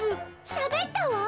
しゃべったわ。